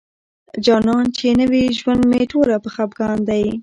جانان چې نوي ژوند مي ټوله په خفګان دی